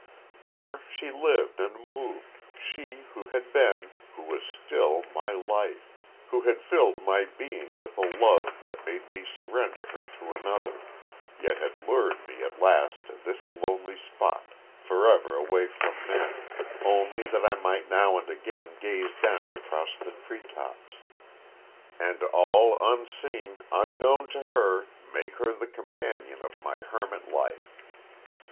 There she lived and moved she who had been, who was still my life who had filled my being with a love that made me surrender her to another, yet had lured me at last to this lonely spot, forever away from men, only that I might now and again gaze down across the tree tops, and all unseen, unknown to her, make her the companion of my hermit life.